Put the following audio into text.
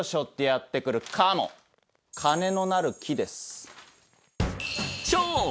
金のなる木です。